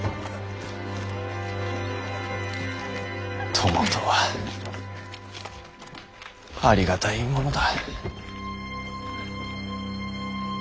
友とはありがたいものだ。